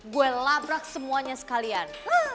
gue labrak semuanya sekalian